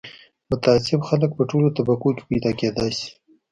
متعصب خلک په ټولو طبقو کې پیدا کېدای شي